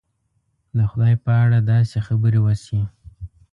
د خدای په اړه داسې خبرې وشي.